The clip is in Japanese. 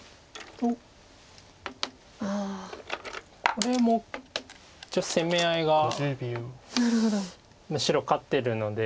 これも一応攻め合いが白勝ってるので。